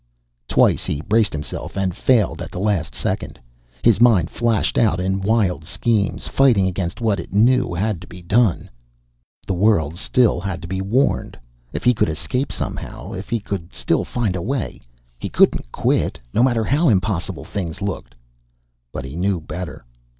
Twice he braced himself and failed at the last second. His mind flashed out in wild schemes, fighting against what it knew had to be done. The world still had to be warned! If he could escape, somehow ... if he could still find a way.... He couldn't quit, no matter how impossible things looked. But he knew better.